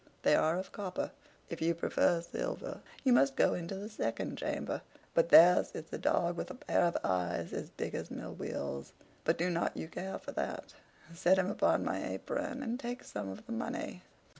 They are of copper; if you prefer silver, you must go into the second chamber. But there sits a dog with a pair of eyes as big as mill wheels. But do not you care for that. Set him upon my apron, and take some of the money.